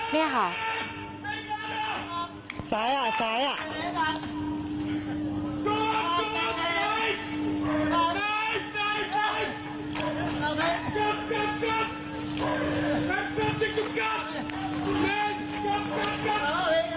นี่ค่ะ